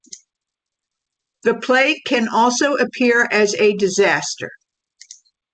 The Plague can also appear as a disaster.